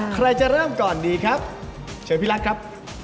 ใครจะเริ่มก่อนดีครับเชิญพี่รักครับ